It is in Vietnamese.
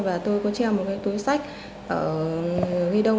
và tôi có treo một cái túi sách ghi đông